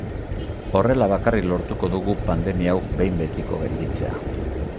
Horrela bakarrik lortuko dugu pandemia hau behin betiko gainditzea.